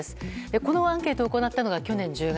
このアンケートを行ったのが去年１０月。